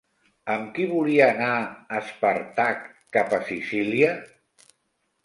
Amb qui volia anar Espàrtac cap a Sicília?